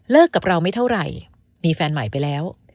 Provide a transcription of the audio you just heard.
กับเราไม่เท่าไหร่มีแฟนใหม่ไปแล้ว